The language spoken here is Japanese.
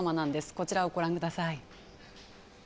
こちらをご覧ください。